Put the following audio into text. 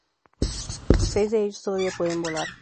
Seis de ellos todavía pueden volar.